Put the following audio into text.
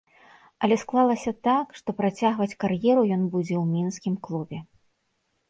Але склалася так, што працягваць кар'еру ён будзе ў мінскім клубе.